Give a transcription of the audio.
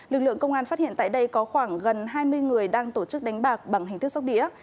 lực lượng công an phát hiện tại đây có khoảng gần hai mươi người đang tổ chức đánh bạc bằng hình thức sóc đĩa